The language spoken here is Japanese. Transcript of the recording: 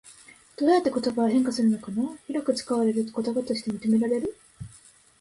どうやって言葉は変化するのかな？広く使われると言葉として認められる？